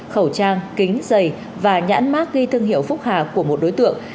khẩu trang kính giày và nhãn mác ghi thương hiệu phúc hà của một đối tượng